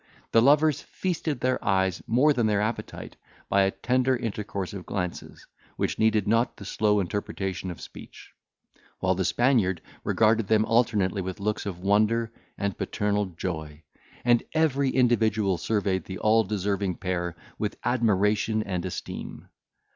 The lovers feasted their eyes more than their appetite, by a tender intercourse of glances, which needed not the slow interpretation of speech; while the Spaniard regarded them alternately with looks of wonder and paternal joy, and every individual surveyed the all deserving pair with admiration and esteem.